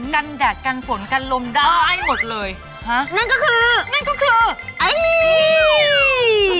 กันแดดกันฝนกันลมได้หมดเลยฮะนั่นก็คือนั่นก็คือไอ้นี่